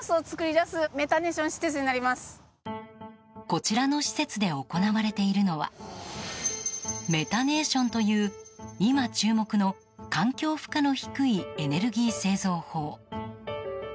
こちらの施設で行われているのはメタネーションという今、注目の環境負荷の低いエネルギー製造法。